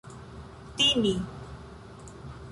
timi